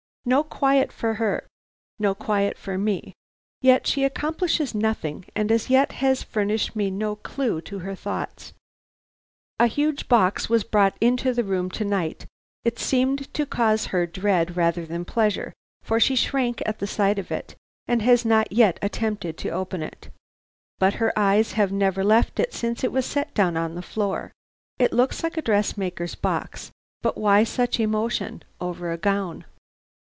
No quiet for her, no quiet for me, yet she accomplishes nothing, and as yet has furnished me no clue to her thoughts. "A huge box was brought into the room to night. It seemed to cause her dread rather than pleasure, for she shrank at sight of it, and has not yet attempted to open it. But her eyes have never left it since it was set down on the floor. It looks like a dressmaker's box, but why such emotion over a gown?